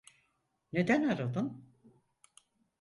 Neden aradın?